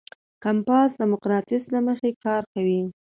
کمپاس د مقناطیس له مخې کار کوي.